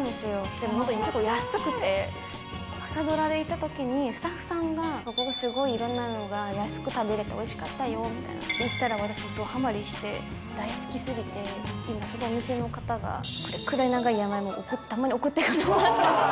でも安くて、朝ドラで行ったときに、スタッフさんが、ここすごいいろんなものが安く食べれておいしかったよみたいな、行ったら、私もどはまりして大好きすぎて、すごいお店の方が、これくらい長いながいもをたまに送ってくださる。